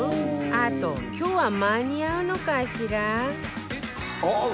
あと今日は間に合うのかしら？